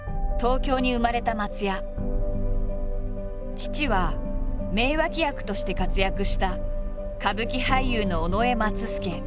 父は名脇役として活躍した歌舞伎俳優の尾上松助。